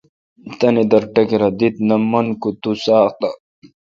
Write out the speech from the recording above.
تانی در ٹکرہ دی تہ نہ من کو تو ساق تہ